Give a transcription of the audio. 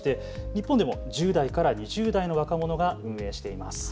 日本でも１０代から２０代の若者が運営しています。